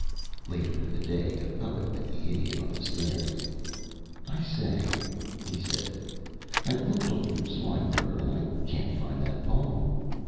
Later in the day the Poet met the Idiot on the stairs. "I say," he said, "I've looked all through Swinburne, and I can't find that poem."